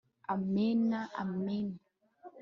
amen! amen